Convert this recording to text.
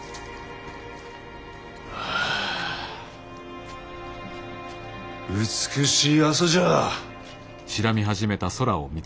あ美しい朝じゃ。